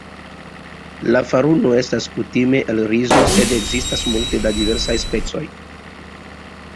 La faruno estas kutime el rizo, sed ekzistas multe da diversaj specoj.